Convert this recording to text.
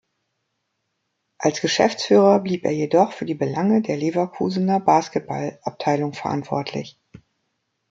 Als Geschäftsführer blieb er jedoch für die Belange der Leverkusener Basketball-Abteilung verantwortlich.